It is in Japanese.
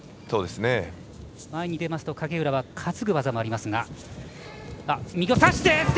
前に出ますと影浦は担ぐ技もありますが。